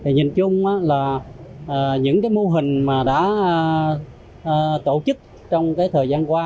nhìn chung là những mô hình mà đã tổ chức trong thời gian qua